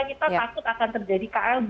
kita takut akan terjadi klb